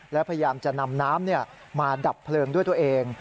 และพยายามจะนำน้ำมาดับเพลิงด้วยตัวเอง